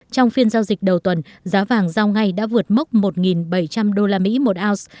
trong phiên giao dịch đầu tuần giá vàng giao ngay đã vượt mốc một bảy trăm linh usd một ounce